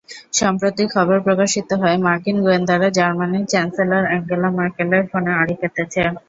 সম্প্রতি খবর প্রকাশিত হয়, মার্কিন গোয়েন্দারা জার্মানির চ্যান্সেলর আঙ্গেলা ম্যার্কেলের ফোনে আড়ি পেতেছে।